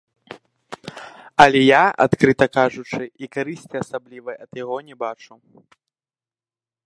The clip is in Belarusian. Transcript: Але я, адкрыта кажучы, і карысці асаблівай ад яго не бачу.